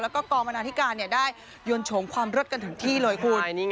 แล้วก็กองบรรณาธิการได้ยวนโฉมความรดกันถึงที่เลยคุณ